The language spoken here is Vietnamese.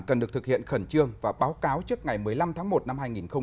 cần được thực hiện khẩn trương và báo cáo trước ngày một mươi năm tháng một năm hai nghìn hai mươi